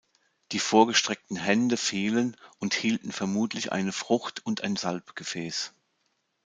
Die vorgestreckten Hände fehlen und hielten vermutlich eine Frucht und ein Salbgefäß.